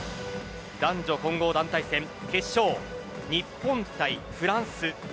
男女混合団体戦決勝日本対フランス。